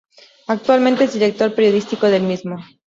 Actualmente es director periodístico del mismo.